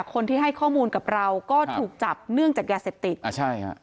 คนที่ให้ข้อมูลกับเราก็ถูกจับเนื่องจากยาเสพติดอ่าใช่ฮะ